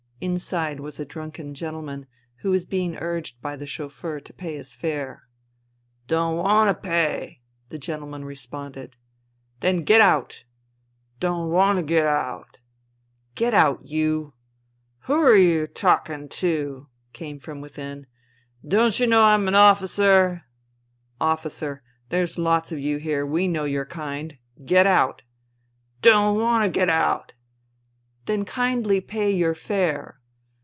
Inside was a drunken gentleman who was being urged by the chauffeur to pay his fare. "Don't want to pay," the gentleman responded. " Then get out !" "Don't want to get out." " Get out, you "" Who're you talking to ?" came from within. " Don't you know I'm an officer ?"" Officer. There's a lot of you here, we know your kind. ... Get out I " "Don't want to get out." " Then kindly pay your fare."